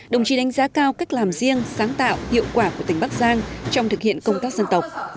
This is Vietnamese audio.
đồng chí đánh giá cao cách làm riêng sáng tạo hiệu quả của tỉnh bắc giang trong thực hiện công tác dân tộc